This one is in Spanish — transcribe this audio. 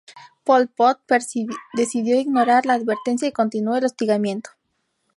Pol Pot decidió ignorar la advertencia y continuó el hostigamiento.